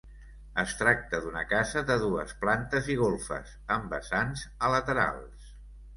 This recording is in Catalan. Es tracta d’una casa de dues plantes i golfes, amb vessants a laterals.